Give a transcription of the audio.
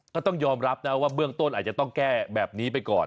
ก็ต้องยอมรับนะว่าเบื้องต้นอาจจะต้องแก้แบบนี้ไปก่อน